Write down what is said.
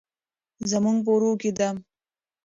زموږ په روح کې ده.